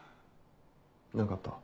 何かあった？